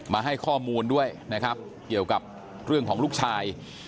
มาให้ข้อมูลด้วยนะครับเกี่ยวกับเรื่องของลูกชาย